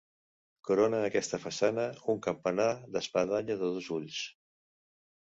Corona aquesta façana un campanar d'espadanya de dos ulls.